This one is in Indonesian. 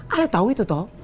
ali tau itu toh